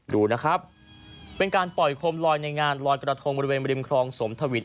ดูนะครับเป็นการปล่อยโคมลอยอนาจงานทรวจกระดาษโทรงบริเวณบริมคลองสมถวิน